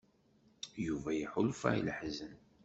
Yuba iḥulfa i leḥzen.